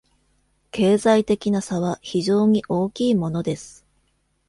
経済的な差は非常に大きいものです。